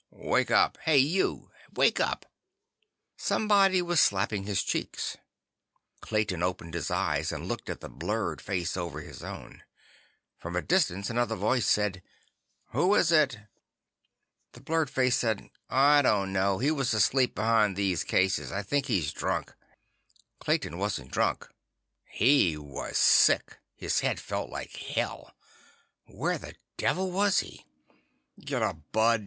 "Wake up! Hey, you! Wake up!" Somebody was slapping his cheeks. Clayton opened his eyes and looked at the blurred face over his own. From a distance, another voice said: "Who is it?" The blurred face said: "I don't know. He was asleep behind these cases. I think he's drunk." Clayton wasn't drunk—he was sick. His head felt like hell. Where the devil was he? "Get up, bud.